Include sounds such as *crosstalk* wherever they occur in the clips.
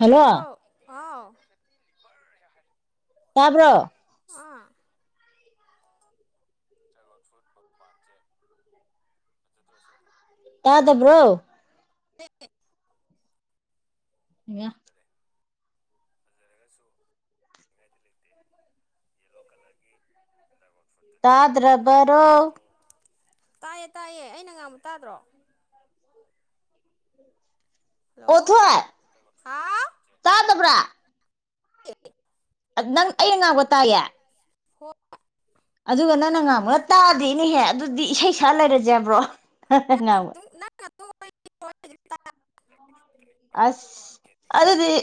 hello ꯇꯥꯕ꯭ꯔꯣ ꯍꯥꯎ *unintelligible* ꯇꯥꯕ꯭ꯔꯣ *unintelligible* ꯑꯥ dragon fruit ꯃꯄꯥꯟꯁꯦ ꯐꯖꯗ꯭ꯔꯣ ꯁꯤꯝꯗꯤ ꯇꯥꯗꯕ꯭ꯔꯣ *unintelligible* *unintelligible* ꯔꯦ ꯐꯖꯔꯒꯁꯨ *unintelligible* ꯂꯩꯇꯦ ꯌꯦꯂꯣ ꯀꯂꯔꯒꯤ ꯗ꯭ꯔꯥꯒꯣꯟ ꯐ꯭ꯔꯨꯠ ꯇꯥꯗ꯭ꯔꯕꯔꯣ ꯇꯥꯏꯌꯦ ꯇꯥꯏꯌꯦ ꯑꯩꯅ ꯉꯥꯡꯕ ꯇꯥꯗ꯭ꯔꯣ ꯍꯜꯂꯣ ꯑꯣ ꯊꯣꯏ ꯍꯥꯎ ꯇꯥꯗꯕ꯭ꯔꯥ ꯅꯪ ꯑꯩꯅ ꯉꯥꯡꯕ ꯇꯥꯏꯌꯦ ꯍꯣꯏ ꯑꯗꯨꯒ ꯅꯪꯅ ꯉꯥꯡꯕꯅ ꯇꯥꯗ‌ꯦꯅꯦꯍꯦ ꯑꯗꯨꯗꯤ ꯏꯁꯩ ꯁꯛꯑ ꯂꯩꯔꯖꯦ ꯍꯥꯏꯕ꯭ꯔꯣ *unintelligible* *inaudible* *inaudible* ꯑꯁ ꯑꯗꯨꯗꯤ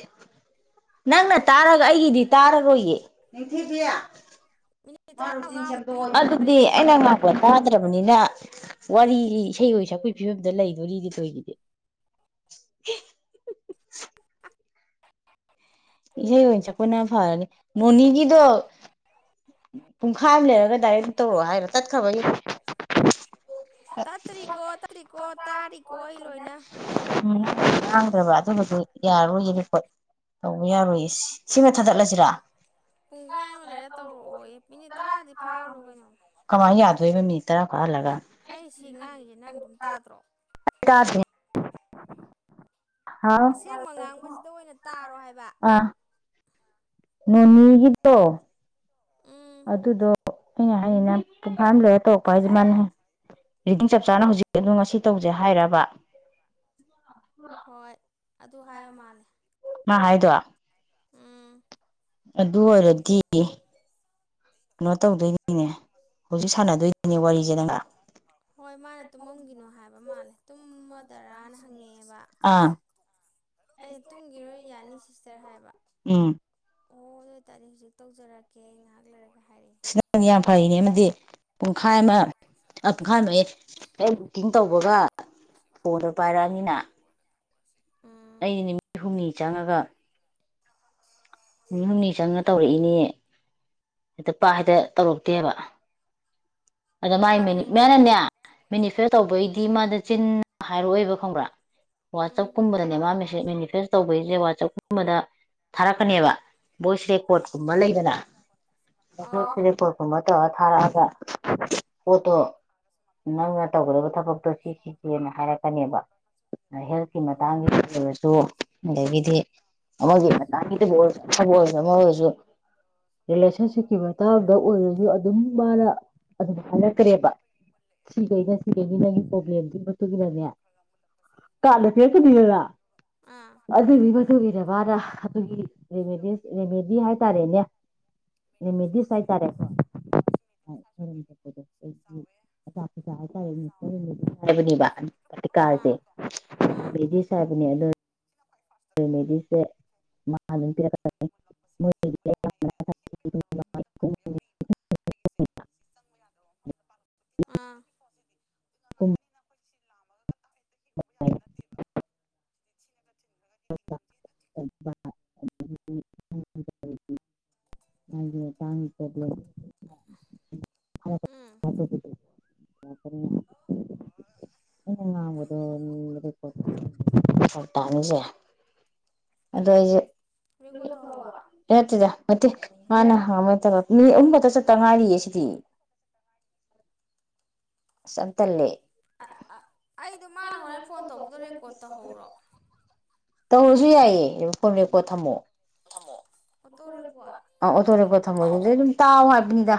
ꯅꯪꯅ ꯇꯥꯔꯒ ꯑꯩꯒꯤꯗꯤ ꯇꯥꯔꯔꯣꯏꯌ‌ꯦ ꯅꯤꯡꯊꯤꯕꯤ ꯃꯤꯅꯤꯠ ꯇꯔꯥꯃꯉꯥꯃꯨꯛ *unintelligible* ꯂꯤꯔꯣ ꯑꯗꯨꯗꯤ ꯑꯩꯅ ꯉꯥꯛꯄ ꯇꯥꯗ꯭ꯔꯕꯅꯤꯅ ꯋꯥꯔꯤꯖꯤ ꯏꯁꯩ ꯑꯣꯏ ꯁꯛꯄꯩ ꯐꯤꯕꯝꯗ ꯂꯩꯗꯣꯔꯤꯅ‌ꯦ ꯇꯧꯏꯖꯤꯗꯤ ꯏꯁꯩ ꯑꯣꯏꯅ ꯁꯛꯄꯅ ꯐꯔꯅꯤ ꯃꯣꯅꯤꯒꯤꯗꯣ ꯄꯨꯡꯈꯥꯏ ꯑ ꯂꯩꯔꯒ ꯗꯥꯏꯔꯦꯛ ꯇꯧꯔꯛꯑꯣ ꯍꯥꯏꯔ‌ꯣ ꯇꯠꯈ꯭ꯔꯕꯩ *unintelligible* ꯇꯠꯇ꯭ꯔꯤꯀꯣ ꯇꯠ *inaudible* ꯀ‌ꯣ ꯇꯥꯔꯤꯀꯣ ꯑꯩ ꯂꯣꯏꯅ ꯎꯝ ꯃꯥꯡꯗ꯭ꯔꯕ *unintelligible* ꯌꯥꯔꯣꯏꯌꯦ ꯔꯤꯀꯣꯠ ꯇꯧꯕ ꯌꯥꯔꯣꯏꯌꯦ ꯁ ꯁꯤꯃ ꯊꯥꯗꯠꯂꯁꯤꯔꯥ ꯄꯨꯡꯈꯥꯏ ꯑꯝ ꯂꯩꯔ ꯇꯧꯔꯛꯑꯣꯌ‌ꯦ ꯃꯤꯅꯤꯠ ꯇꯔꯥꯗꯤ ꯐꯥꯍꯜꯂꯨ ꯀꯩꯅꯣ ꯀꯃꯥꯏꯟ ꯌꯥꯗꯣꯏꯕ ꯃꯤꯅꯤ ꯇꯔꯥ ꯐꯍꯜꯂꯒ ꯑꯩ ꯁꯤ ꯉꯥꯡꯉꯤꯁꯦ ꯅꯪ ꯑꯗꯨꯝ ꯇꯥꯗ꯭ꯔꯣ ꯇꯥꯗ‌ꯦ ꯍꯥꯎ ꯑꯁꯦꯡꯕ ꯉꯥꯡꯕꯖꯤꯗ ꯑꯣꯏꯅ ꯇꯥꯔꯣ ꯍꯥꯏꯕ ꯑꯥ ꯅꯣꯅꯤꯒꯤꯗꯣ *unintelligible* ꯎꯝ ꯑꯗꯨꯗꯣ ꯑꯩꯅ ꯍꯥꯏꯖꯤꯅ ꯄꯨꯡꯈꯥꯏ ꯑꯝ ꯂꯩꯔ ꯇꯧꯔꯛꯄ ꯍꯥꯏꯖ‌ꯦ ꯑꯦ ꯃꯥꯅ ꯔꯤꯗꯤꯡ ꯆꯞ ꯆꯥꯅ ꯍꯧꯖꯤꯛ ꯑꯗꯨꯝ ꯉꯁꯤ ꯇꯧꯁꯦ ꯍꯥꯏꯔꯕ ꯍꯣꯏ ꯑꯗꯨ ꯍꯥꯏꯕ ꯃꯥꯜꯂꯦ ꯃꯥ ꯍꯥꯏꯗ‌ꯣ ꯎꯝ ꯑꯗꯨ ꯑꯣꯏꯔꯗꯤ ꯑꯩꯅ ꯇꯧꯗꯣꯏꯅꯤꯅꯦ ꯍꯧꯖꯤꯛ ꯍꯥꯏꯗꯤ ꯁꯥꯟꯅꯗꯣꯏꯅꯤꯅꯦ ꯋꯥꯔꯤꯁꯦ ꯅꯪꯒ *unintelligible* ꯍꯣꯏ ꯃꯥꯅ ꯇꯨꯝꯃꯝꯒꯤꯅꯣ ꯍꯥꯏꯕ ꯃꯥꯜꯂꯦ ꯇꯨꯝꯃ ꯗꯔꯥꯅ ꯍꯪꯉ‌ꯦꯕ ꯑꯥ ꯑꯩ ꯇꯨꯝꯒꯤꯔꯣꯏ ꯌꯥꯅꯤ ꯁꯤꯁꯇꯔ ꯍꯥꯏꯕ ꯎꯝ ꯑꯣ ꯑꯗꯨ ꯑꯣꯏꯇꯥꯔꯗꯤ ꯍꯧꯖꯤꯛ ꯇꯧꯖꯔꯛꯀꯦ ꯉꯥꯍꯥꯛ ꯂꯩꯔꯒ ꯍꯥꯏꯔꯑꯦ ꯅꯪ ꯌꯥꯝ ꯐꯩꯅꯦ ꯑꯃꯗꯤ ꯄꯨꯡꯈꯥꯏ ꯑꯃ ꯄꯨꯡꯈꯥꯏꯝꯌ‌ꯦ *unintelligible* ꯇꯧꯕꯒ ꯐꯣꯟꯗ‌ꯣ ꯄꯥꯏꯔꯛꯑꯝꯅꯤꯅ ꯎꯝ ꯑꯩꯗꯤ ꯅꯨꯃꯤꯠ ꯍꯨꯝꯅꯤ ꯆꯪꯉꯒ ꯃꯤ ꯍꯨꯝꯅꯤ ꯆꯪꯉ ꯇꯧꯔꯛꯏꯅꯦ ꯍꯦꯛꯇꯥ ꯄꯥꯛ ꯍꯦꯛꯇꯥ ꯇꯧꯔꯛꯇꯦꯕ ꯑꯗ ꯃꯥꯥꯏ ꯄꯔꯦꯡ ꯃꯅꯅꯦ ꯃꯦꯅꯤꯐꯦ ꯇꯧꯕꯩꯗꯤ ꯃꯥꯗ ꯆꯤꯟ ꯍꯥꯏꯔꯛꯑꯣꯏꯕ ꯈꯪꯕ꯭ꯔꯥ ꯎꯝ ꯋꯥꯆꯞꯀꯨꯝꯕꯗꯅꯦ ꯃꯥ ꯃꯦꯁꯦ ꯃꯦꯅꯤꯐꯦꯁ ꯇꯧꯕꯩꯁꯦ ꯋꯥꯆꯞꯀꯨꯝꯕꯗ ꯊꯥꯔꯛꯀꯅꯦꯕ ꯚꯣꯏꯁ ꯔꯦꯀꯣꯔꯠ ꯀꯨꯝꯕ ꯂꯩꯗꯅ ꯑꯣ *unintelligible* *unintelligible* ꯀꯣꯨꯝꯕ ꯇꯧꯔꯥ ꯊꯥꯔꯛꯑꯒ ꯄꯣꯠ ꯇꯣ ꯅꯪꯅ ꯇꯧꯒꯗꯕ ꯊꯕꯛꯇꯣ ꯁꯤ ꯁꯤꯁꯦꯅ ꯍꯥꯏꯔꯛꯀꯅꯦꯕ ꯍꯦꯜꯠꯀꯤ ꯃꯇꯥꯡꯒꯤ ꯑꯣꯏꯔꯁꯨ ꯑꯗꯒꯤꯗꯤ ꯑꯃꯗꯤ *unintelligible* *unintelligible* *unintelligible* ꯑꯣꯏ ꯑꯃ ꯑꯣꯏꯁꯨ ꯔꯤꯂꯦꯁꯟꯁꯤꯞꯀꯤ ꯃꯇꯥꯡꯗ ꯑꯣꯏꯔꯁꯨ ꯑꯗꯨꯝ ꯃꯥꯅ ꯑꯗꯨꯝ ꯍꯥꯏꯔꯛꯇ꯭ꯔꯦꯕ ꯁꯤꯈꯩꯅ ꯁꯤꯈꯩꯅꯤ ꯅꯪꯒꯤ ꯄ꯭ꯔꯣꯕ꯭ꯂꯦꯝꯗꯨꯒꯤ ꯃꯇꯨꯡ ꯏꯟꯅꯅꯦ ꯀꯥꯟꯗ *unintelligible* *unintelligible* ꯑꯥ ꯑꯗꯨꯗꯤ ꯃꯇꯨꯡꯏꯟꯅꯥ ꯃꯅꯥ ꯑꯗꯨꯒꯤ ꯔꯦꯃꯦꯗꯤꯁ ꯔꯦꯃꯦꯗꯤ ꯍꯥꯏꯇꯥꯔꯦꯅꯦ ꯔꯦꯃꯦꯗꯤꯁ ꯍꯥꯏꯇꯥꯔꯦꯀꯣ ꯌꯥꯎꯁꯤ *unintelligible* *unintelligible* *unintelligible* *unintelligible* *unintelligible* ꯍꯥꯏꯇꯥꯔꯦ ꯍꯥꯏꯕꯅꯦꯕ *unintelligible* ꯑꯥ *unintelligible* ꯑꯥ ꯔꯦꯃꯦꯗꯤ ꯁꯥꯕꯅꯦ ꯑꯗꯣ ꯔꯦꯃꯦꯗꯤꯁꯦ ꯃꯨꯜꯂꯛꯄꯁꯦ ꯌꯥꯝ ꯌꯦꯡꯕ ꯃꯣꯏꯒꯤꯗꯤ ꯅꯨꯡꯉꯥꯏꯌꯦ ꯑꯗ *unintelligible* ꯌꯥꯗꯕ *unintelligible* ꯌꯥꯑꯣꯔꯤꯌꯦꯕꯥ ꯑꯩꯒꯤꯁꯦ *unintelligible* ꯎ ꯁꯤ ꯂꯥꯝꯃꯒ ꯀ ꯇꯥꯛ ꯍꯦꯛꯇꯥ ꯍꯦꯛ ꯎꯝ ꯅꯠꯇꯦꯕ ꯁꯤꯅꯒ ꯆꯤꯟꯕꯒꯥ *unintelligible* *unintelligible* *unintelligible* *unintelligible* *unintelligible* *unintelligible* *unintelligible* ꯎꯝ ꯍꯥꯏꯔꯛꯄꯗꯨꯗꯤ ꯑꯩꯅ ꯉꯥꯡꯕꯗꯣ *unintelligible* ꯑꯗ ꯑꯩꯁꯦ ꯔꯦꯀꯣꯔꯠ ꯇꯧꯍꯧꯋꯣ *unintelligible* ꯅꯠꯇꯦꯗ ꯅꯠꯇꯦ ꯃꯥꯅ ꯑꯥꯍꯟꯕ ꯇꯧꯔꯛꯄꯅꯦ ꯃꯤꯅꯤꯠ ꯑꯅꯤ ꯈꯛꯇ ꯆꯠꯇ ꯉꯥꯏꯔꯤꯌꯦ ꯁꯤꯗꯤ *unintelligible* ꯑꯁ ꯌꯥꯝ ꯇꯟꯂꯦ ꯑꯩꯗꯣ ꯃꯥꯅ ꯍꯣꯔꯦꯟ ꯐꯣꯟ ꯇꯧꯕꯗꯣ ꯔꯦꯀꯣꯔꯠ ꯇꯧꯍꯧꯔꯣ ꯇꯧꯔꯁꯨ ꯌꯥꯏꯌꯦ ꯐꯣꯟ ꯔꯦꯀꯣꯔ꯭ꯗ ꯊꯝꯃꯣ ꯑꯣꯇꯣ ꯔꯦꯀꯣꯔꯠ ꯑꯣꯇꯣ ꯔꯦꯀꯣꯠ ꯊꯝꯃꯣ ꯍꯧꯖꯤꯛꯇꯩ ꯑꯗꯨꯝ ꯇꯥꯎ ꯍꯥꯏꯕꯅꯤꯗ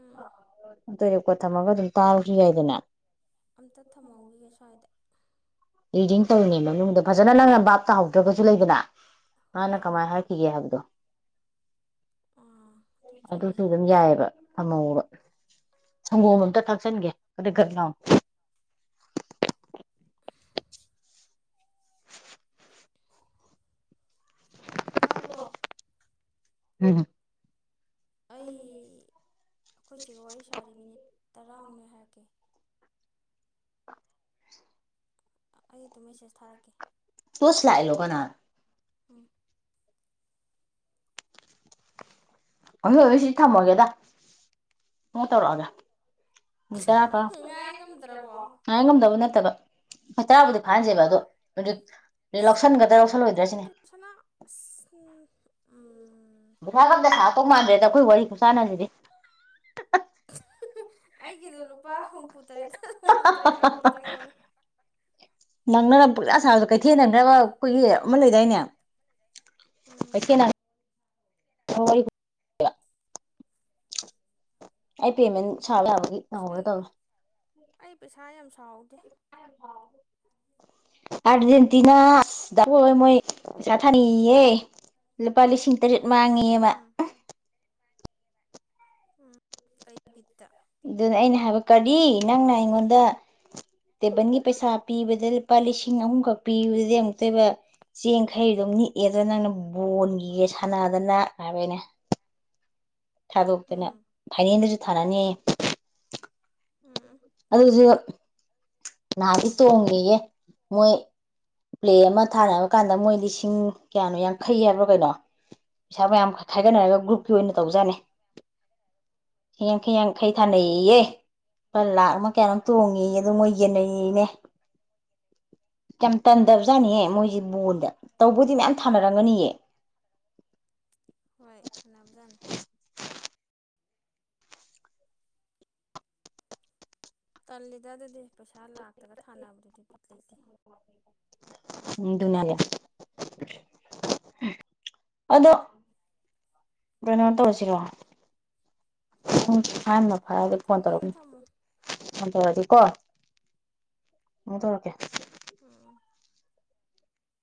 ꯎꯝ ꯑꯥꯎꯇꯣ ꯔꯦꯀꯣꯠ ꯊꯝꯃꯒ ꯑꯗꯨꯝ ꯇꯥꯕꯁꯨ ꯌꯥꯏꯗꯅ ꯑꯝꯇ ꯊꯝꯍꯧꯈꯤꯒ ꯁ꯭ꯋꯥꯏꯗ ꯔꯤꯗꯤꯡ ꯇꯧꯔꯤꯅꯦ ꯃꯅꯨꯡꯗ ꯐꯖꯅ ꯅꯪꯅ ꯕꯥꯥꯞ ꯇꯥꯍꯧꯗ꯭ꯔꯒꯁꯨ ꯂꯩꯗꯅ ꯍꯣꯏ ꯃꯥꯅ ꯍꯣꯏ ꯀꯃꯥꯏꯅ ꯍꯥꯏꯈꯤꯒꯦ ꯍꯥꯏꯕꯗꯣ ꯑꯥ ꯑꯗꯨ ꯆꯨꯝꯃꯤ ꯑꯗꯨꯁꯨ ꯑꯗꯨꯝ ꯌꯥꯏꯑꯕ ꯊꯝꯍꯧꯕ ꯁꯪꯒꯣꯝ ꯑꯝꯇ ꯊꯥꯛꯆꯟꯒꯦ ꯑꯝꯇꯥ꫰ꯒꯠ ꯂꯥꯎꯅ ꯇꯥꯕ꯭ꯔꯣ ꯍꯝ ꯑꯩꯈꯣꯏꯁꯤꯒ ꯋꯥꯔꯤ ꯁꯥꯔꯤ ꯃꯤꯅꯤꯠ ꯇꯔꯥꯃꯨꯛ ꯂꯩꯔꯥ ꯍꯥꯏꯔꯛꯀꯦ ꯑ ꯑꯩ ꯗꯨꯝ ꯃꯦꯁꯦꯁ ꯊꯥꯔꯛꯀꯦ *unintelligible* ꯀꯅꯥꯅꯣ ꯎꯝ ꯍꯣꯏ ꯍꯣꯏ ꯁꯤ ꯊꯝꯃꯒꯦꯗ ꯃꯨꯛ ꯇꯧꯔꯛꯑꯒꯦ *unintelligible* ꯉꯥꯏ ꯉꯝꯗ꯭ꯔꯕꯣ ꯉꯥꯏ ꯉꯝꯗꯕ ꯅꯠꯇꯕ ꯍꯞꯇꯕꯨꯗꯤ ꯐꯗ꯭ꯔꯤꯕ ꯑꯗꯣ ꯅꯨꯃꯤꯠ ꯑꯁ ꯂꯧꯁꯟꯒꯗ꯭ꯔꯥ ꯂꯧꯁꯜꯂꯣꯏꯗ꯭ꯔꯥ ꯁꯤꯅꯤ ꯀꯔꯤꯅꯣ ꯁꯅꯥ ꯑꯁ ꯑꯥ ꯄꯩꯁꯥꯒ ꯑꯝꯇ ꯁꯥꯛꯇꯧ ꯃꯥꯟꯗ꯭ꯔꯦꯗ ꯑꯩꯈꯣꯏ ꯋꯥꯔꯤ ꯈꯨꯁꯥꯟꯅꯁꯤꯗꯤ ꯑꯩꯒꯤꯗꯣ ꯂꯨꯄꯥ ꯍꯨꯝꯐꯨꯇꯔꯦꯠꯇ ꯍꯨꯝꯐꯨꯇꯔꯦꯠꯂ ꯀꯩꯅꯣꯝ ꯆꯪꯍꯧꯔꯦ ꯅꯪꯅꯅ ꯄꯨꯔꯥ ꯁꯥꯕꯗꯣ ꯀꯩꯊꯦꯟ ꯅꯪꯅꯕ ꯈꯣꯏꯒꯤ ꯑꯃ ꯂꯩꯗꯥꯢꯅꯦ *unintelligible* ꯎꯝ ꯀꯩꯊꯦꯟ ꯅꯪ ꯑꯩ ꯄꯦꯃꯦꯟ ꯁꯥꯕ ꯌꯥꯕꯒꯤ ꯑꯁ ꯑꯩ *unintelligible* ꯑꯩ ꯄꯩꯁꯥ ꯌꯥꯝ ꯁꯥꯍꯧꯗꯦ ꯑꯔꯖꯦꯟꯇꯤꯅꯥ *unintelligible* ꯃꯣꯢ ꯄꯩꯁꯥ ꯊꯅꯩꯌꯦꯌꯦ ꯂꯨꯄꯥ ꯂꯤꯁꯤꯡ ꯇꯔꯦꯠ ꯃꯥꯡꯉꯦꯌꯦ ꯃꯥ ꯎꯝ ꯎꯞ ꯀꯩ ꯕꯤꯠꯇ ꯑꯗꯨꯅ ꯑꯩꯅ ꯍꯥꯏꯕ ꯀꯔꯤ ꯅꯪꯅ ꯑꯩꯉꯣꯟꯗ ꯇꯦꯕꯟꯒꯤ ꯄꯩꯁꯥ ꯄꯤꯕꯗ ꯂꯨꯄꯥ ꯂꯤꯁꯤꯡ ꯑꯍꯨꯝꯈꯛ ꯄꯤꯕꯗꯨꯗꯤ ꯑꯃꯨꯛꯇꯣꯢꯕ ꯆꯦꯡꯈꯩ ꯒꯨꯝ ꯅꯤꯛꯑꯦ ꯑꯗ ꯅꯪꯅ ꯕꯣꯟꯒꯤꯒ ꯁꯥꯟꯅꯗꯅ ꯍꯥꯏꯕ ꯑꯩꯅ ꯊꯥꯗꯣꯛꯇꯅ ꯎꯝ ꯐꯥꯏꯅꯦꯜꯗꯁꯨ ꯊꯥꯅꯅꯤꯌꯦ ꯎꯝ *unintelligible* ꯃꯣꯏ ꯄ꯭ꯂꯦ ꯑꯃ ꯊꯥꯔꯛ ꯑꯀꯥꯟꯗ ꯃꯣꯏ ꯂꯤꯁꯤꯡ ꯀꯌꯥꯅꯣ ꯌꯥꯡꯈꯩ ꯍꯥꯏꯕ꯭ꯔꯣ ꯀꯩꯅꯣ ꯄꯩꯁꯥ ꯃꯌꯥꯝ ꯈꯥꯏꯒꯠꯅꯔꯒ ꯒ꯭ꯔꯨꯞꯀꯤ ꯑꯣꯏꯅ ꯎꯝ ꯇꯧꯖꯥꯠꯅꯤ ꯌꯥꯡꯈꯩ ꯌꯥꯡꯈꯩ ꯎꯝ ꯊꯥꯅꯩꯌꯦꯌꯦ ꯄ ꯂꯥꯛ ꯑꯃ ꯀꯌꯥꯅꯣꯝ ꯇꯣꯡꯉꯤꯌꯦ ꯎꯝ ꯑꯗꯣ ꯃꯣꯏ ꯌꯦꯟꯅꯩꯌꯦꯅꯦ ꯌꯥꯝ ꯇꯟꯗꯕꯖꯥꯠꯅꯤꯍꯦ ꯃꯣꯏꯁꯤ ꯕꯣꯟꯗ ꯇꯧꯕꯨꯗꯤ ꯃꯌꯥꯝ ꯊꯥꯅꯔꯝꯒꯅꯤꯌꯦ ꯍꯣꯏ ꯊꯅꯕꯖꯥꯅꯤ ꯇꯜꯂꯤꯗ ꯗꯨꯗꯤ ꯄꯩꯁꯥ ꯂꯥꯛꯇꯒ ꯊꯥꯅꯕꯗꯨꯗꯤ ꯕꯤꯠ ꯂꯩꯇꯦ ꯎꯝ ꯗꯨꯅꯅꯦ *unintelligible* ꯑꯗꯣ ꯀꯩꯅꯣ ꯇꯧꯔꯁꯤꯔꯣ ꯊꯝꯒꯦꯒ ꯊꯝꯃꯣ *unintelligible* *inaudible* ꯎꯝ